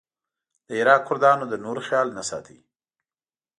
د عراق کردانو د نورو خیال نه ساته.